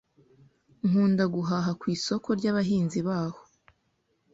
Nkunda guhaha ku isoko ryabahinzi baho.